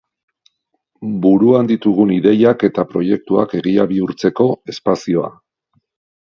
Buruan ditugun ideiak eta proiektuak egia bihurtzeko espazioa.